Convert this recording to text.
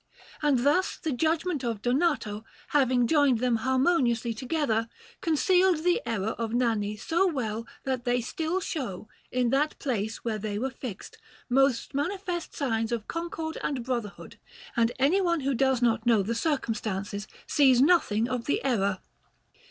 And thus the judgment of Donato, having joined them harmoniously together, concealed the error of Nanni so well that they still show, in that place where they were fixed, most manifest signs of concord and brotherhood; and anyone who does not know the circumstance sees nothing of the error.